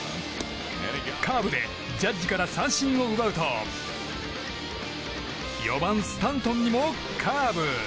カーブでジャッジから三振を奪うと４番スタントンにもカーブ。